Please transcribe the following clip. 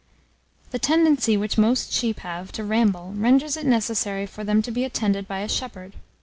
The tendency which most sheep have to ramble, renders it necessary for them to be attended by a shepherd.